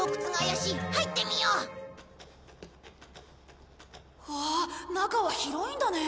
うわ中は広いんだね。